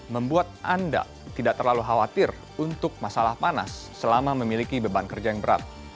membuat anda tidak terlalu khawatir untuk masalah panas selama memiliki beban kerja yang berat